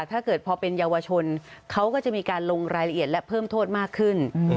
ถ้าเกิดพอเป็นเยาวชนเขาก็จะมีการลงรายละเอียดและเพิ่มโทษมากขึ้น